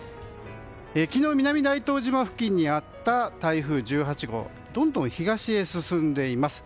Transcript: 昨日、南大東島付近にあった台風１８号はどんどん東へ進んでいます。